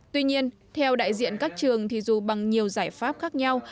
tuy nhiên theo đại diện các trường thì dù bằng nhiều giải pháp khác nhau